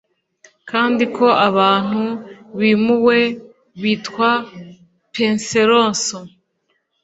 kandi ko abantu bimuwe bitwa penseroso